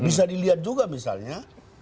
bisa dilihat juga misalnya